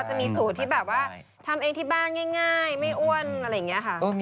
ก็จะมีสูตรที่ทำเองที่บ้านง่ายไม่อ้วนอะไรอย่างนี้